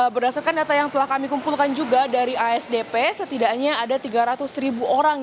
berdasarkan data yang telah kami kumpulkan juga dari asdp setidaknya ada tiga ratus ribu orang